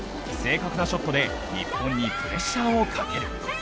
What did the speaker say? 正確なショットで日本にプレッシャーをかける。